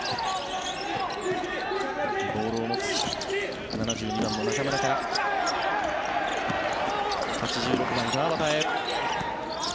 ボールを持つ７２番の中村から８６番、川端へ。